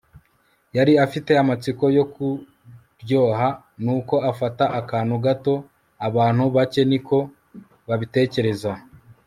yari afite amatsiko yo kuryoha, nuko afata akantu gato. abantu bake ni ko babitekereza